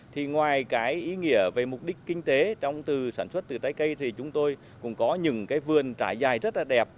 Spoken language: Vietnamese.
thì ngoài cái ý nghĩa về mục đích kinh tế trong từ sản xuất từ trái cây thì chúng tôi cũng có những cái vườn trải dài rất là đẹp